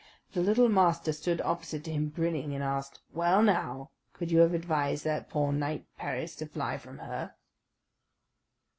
The little Master stood opposite to him grinning, and asked, "Well now, could you have advised that poor knight Paris to fly from her?"